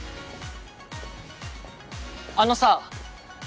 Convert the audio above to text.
あのさ。